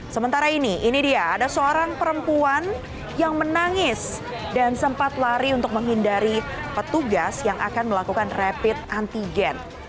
sementara ini ini dia ada seorang perempuan yang menangis dan sempat lari untuk menghindari petugas yang akan melakukan rapid antigen